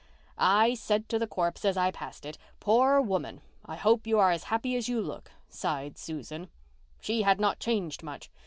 "I said to the corpse as I passed it, 'poor woman. I hope you are as happy as you look.'" sighed Susan. "She had not changed much.